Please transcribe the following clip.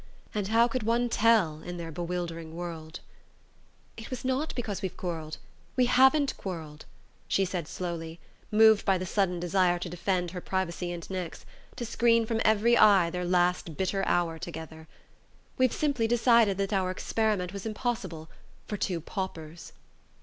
And how could one tell, in their bewildering world, "It was not because we've quarrelled; we haven't quarrelled," she said slowly, moved by the sudden desire to defend her privacy and Nick's, to screen from every eye their last bitter hour together. "We've simply decided that our experiment was impossible for two paupers."